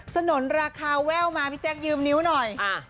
สนุนราคาแว่วมาพี่แจ๊คยืมนิ้วหน่อย